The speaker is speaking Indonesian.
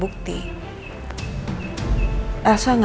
buat apa anda